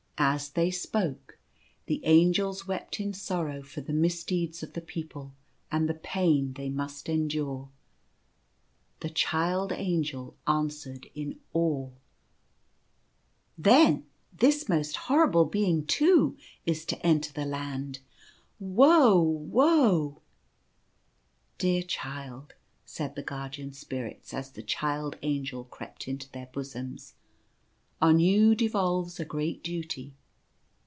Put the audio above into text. As they spoke, the Angels wept in sorrow for the misdeeds of the people and the pain they must endure. The Child Angel answered in awe : c I o The Mission of Chiaro. u Then this most horrible Being, too, is to enter the Land. Woe ! woe !"" Dear Child," said the Guardian Spirits, as the Child Angel crept into their bosoms, " on you devolves a great duty.